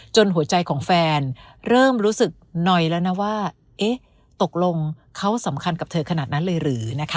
หัวใจของแฟนเริ่มรู้สึกนอยแล้วนะว่าเอ๊ะตกลงเขาสำคัญกับเธอขนาดนั้นเลยหรือนะคะ